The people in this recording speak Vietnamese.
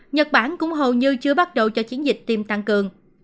nhật bản cũng hầu như chưa bắt đầu cho chiến dịch tiêm tăng cường